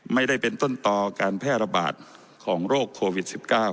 ไม่ได้เป็นต้นต่อการแพร่ระบาดของโรคโควิด๑๙